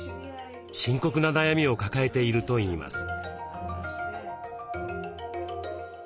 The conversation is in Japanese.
深刻な悩みを抱えているといいます。